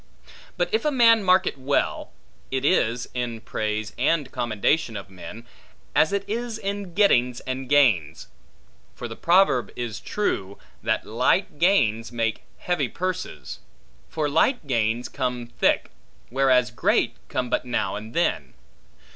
But if a man mark it well, it is, in praise and commendation of men, as it is in gettings and gains: for the proverb is true, That light gains make heavy purses; for light gains come thick, whereas great, come but now and then.